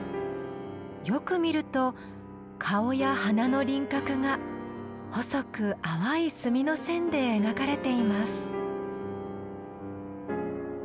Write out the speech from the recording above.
よく見ると顔や鼻の輪郭が細く淡い墨の線で描かれています。